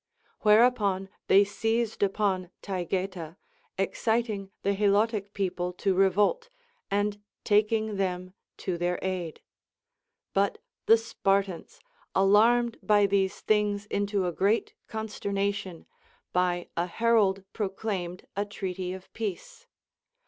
Whereupon they seized upon Tay geta, exciting the Helotic people to revolt, and taking them to their aid ; but the Spartans, alarmed by these things into a great consternation, by a herald proclaimed a treaty of peace.